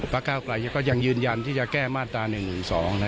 ภักษ์ข้าวไกลก็ยังยืนยันที่จะแก้มาตราหนึ่งสอง